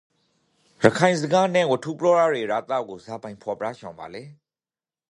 ရခိုင်စကားနန့်ဝတ္ထုပြောရရေရသကိုဇာပိုင်ဖော်ပြချင်ပါလေ